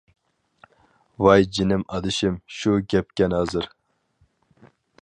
-ۋاي جېنىم ئادىشىم، شۇ گەپكەن ھازىر.